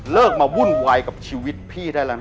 มาวุ่นวายกับชีวิตพี่ได้แล้วนะ